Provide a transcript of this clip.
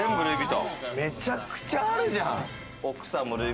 めちゃくちゃあるじゃん。